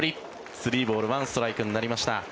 ３ボール１ストライクになりました。